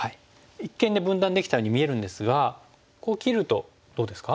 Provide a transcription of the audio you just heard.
一見分断できたように見えるんですがこう切るとどうですか？